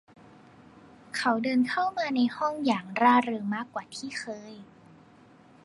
เขาเดินเข้ามาในห้องอย่างร่าเริงมากกว่าที่เคย